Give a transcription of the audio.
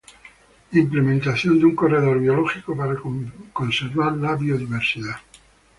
Implementación de un corredor biológico para conservar la biodiversidad.